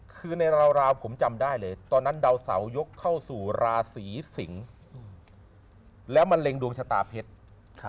คือในราวผมจำได้เลยตอนนั้นดาวเสายกเข้าสู่ราศีสิงศ์แล้วมะเร็งดวงชะตาเพชร